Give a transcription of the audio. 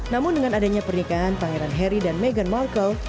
namun dengan adanya pernikahan pangeran harry dan meghan markle